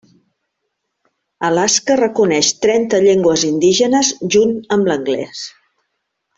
Alaska reconeix trenta llengües indígenes junt amb l'anglès.